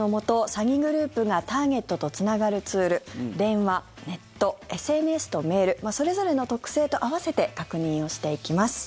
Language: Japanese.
詐欺グループがターゲットとつながるツール電話、ネット、ＳＮＳとメールそれぞれの特性と併せて確認をしていきます。